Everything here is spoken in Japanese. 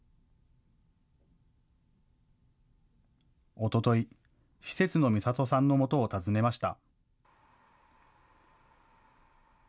おととい、施設のみさとさんのもとを訪ねました。